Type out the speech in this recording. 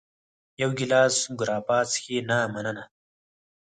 یو ګېلاس ګراپا څښې؟ نه، مننه.